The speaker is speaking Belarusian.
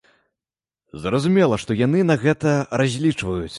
Зразумела, што яны на гэта разлічваюць.